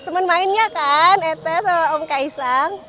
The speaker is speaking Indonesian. temen mainnya kan etes sama om kaisang